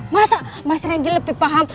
masa mas randy lebih paham